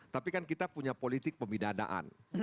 tapi kan kita punya politik pemidanaan